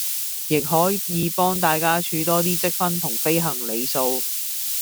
亦可以幫大家儲多啲積分同飛行里數